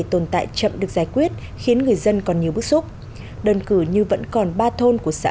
tồn tại chậm được giải quyết khiến người dân còn nhiều bức xúc đơn cử như vẫn còn ba thôn của xã